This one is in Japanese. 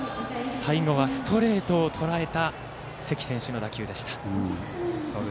最後はストレートをとらえた関選手の打球でした。